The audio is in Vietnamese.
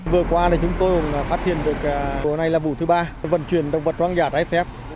vừa qua chúng tôi phát hiện được vụ này là vụ thứ ba vận chuyển động vật hoang dã trái phép